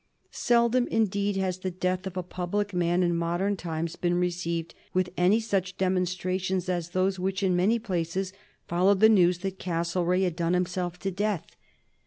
Seldom, indeed, has the death of a public man in modern times been received with any such demonstrations as those which in many places followed the news that Castlereagh had done himself to death.